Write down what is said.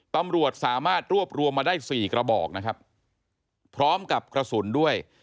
ตำรวจสามารถรวบรวมมาได้สี่กระบอกนะครับพร้อมกับกระสุนด้วย